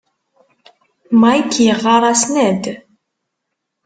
Mike yeɣɣar-as Ned.